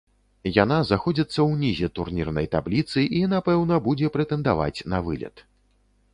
Яна заходзіцца ўнізе турнірнай табліцы і, напэўна, будзе прэтэндаваць на вылет.